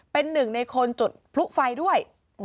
เป็นหนึ่งในคนจุดพลุไฟด้วย